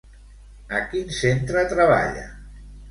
A quin centre treballa?